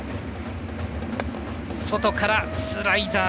外からスライダー。